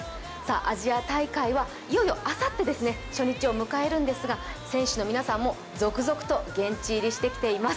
アジア大会はいよいよあさって初日を迎えるんですが選手の皆さんも続々と現地入りしてきています